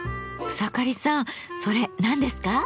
草刈さんそれ何ですか？